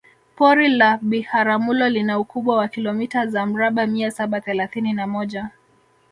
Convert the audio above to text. Pori la Biharamulo lina ukubwa wa kilomita za mraba mia saba thelathini na moja